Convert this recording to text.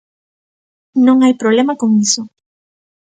Non hai problema con iso.